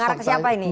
mengarah ke siapa ini